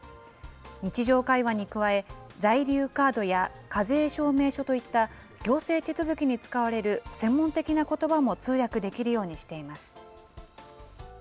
日常会話に加え、在留カードや課税証明書といった行政手続きに使われる専門的なことばも通訳できるようにしています。